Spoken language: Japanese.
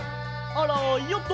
あらヨット！